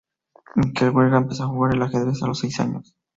Mikel Huerga empezó a jugar al ajedrez a los seis años.